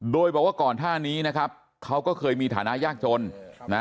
โดยบอกว่าก่อนหน้านี้นะครับเขาก็เคยมีฐานะยากจนนะ